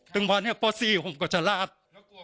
แต่งปันนี้อ๋อยากก็จะรันแล้วกลัว